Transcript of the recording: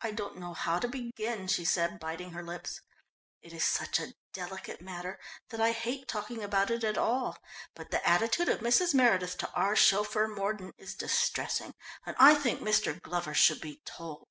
"I don't know how to begin," she said, biting her lips. "It is such a delicate matter that I hate talking about it at all. But the attitude of Mrs. Meredith to our chauffeur Mordon, is distressing, and I think Mr. Glover should be told."